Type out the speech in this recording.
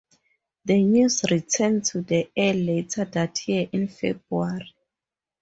The news returned to the air later that year in February.